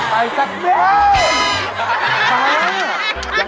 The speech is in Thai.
ไปสักเดียว